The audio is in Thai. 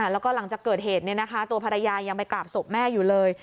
แล้วก็หลังจากเกิดเหตุตัวภรรยายังไปกราบศพแม่อยู่เลย